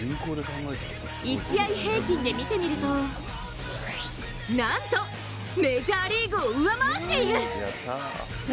１試合平均で見てみるとなんとメジャーリーグを上回っている！